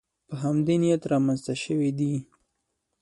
په همدې نیت رامنځته شوې دي